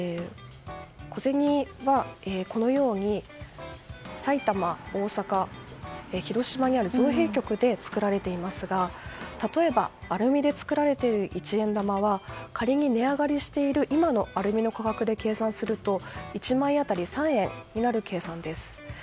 小銭は埼玉、大阪、広島にある造幣局で作られていますが例えばアルミで作られている一円玉は仮に値上がりしている今のアルミの価格で計算すると１枚当たり３円になる計算です。